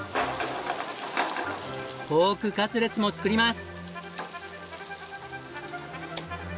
ポークカツレツも作ります！